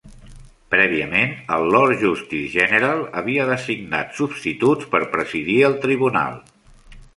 Prèviament el Lord Justice General havia designat substituts per presidir el tribunal.